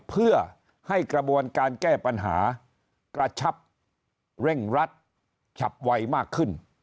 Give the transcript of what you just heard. เพื่อให้กระบวนการแก้ปัญหากระชับเร่งรัดฉับไวมากขึ้น